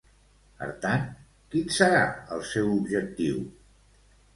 Per tant, quin serà el seu objectiu?